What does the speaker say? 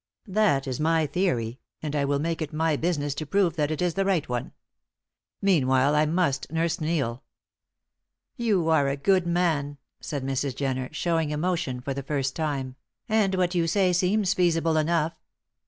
That is my theory, and I will make it my business to prove that it is the right one. Meanwhile, I must nurse Neil." "You are a good man," said Mrs. Jenner shewing emotion for the first time, "and what you say seems feasible enough.